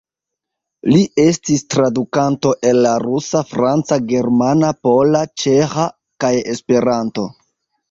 Li estis tradukanto el la rusa, franca, germana, pola, ĉeĥa kaj Esperanto.